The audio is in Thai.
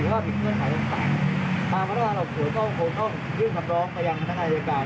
ตามภาษาภาษาหลักฐานข่วงต้องยื่นคำร้องไปยังกันให้ไอยการ